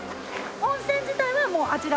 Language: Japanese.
温泉自体はもうあちら。